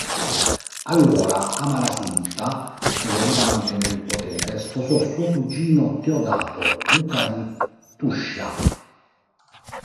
Allora Amalasunta, che voleva mantenere il potere, sposò suo cugino Teodato, duca di Tuscia.